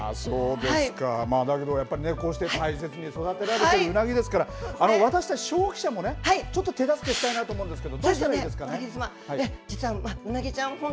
だけどやっぱりねこうやって大切に育てられているウナギですから私たち消費者も手助けしたいなと思うんですけれどどうしたらいいですかね。